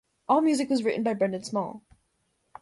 All music was written by Brendon Small.